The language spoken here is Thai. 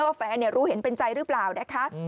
ว่าแฟนรู้เห็นเป็นใจหรือเปล่านะคะ